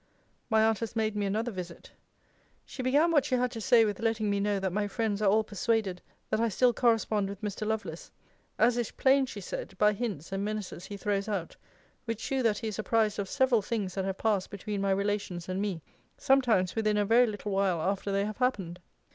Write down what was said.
My aunt has made me another visit. She began what she had to say with letting me know that my friends are all persuaded that I still correspond with Mr. Lovelace; as is plain, she said, by hints and menaces he throws out, which shew that he is apprized of several things that have passed between my relations and me, sometimes within a very little while after they have happened.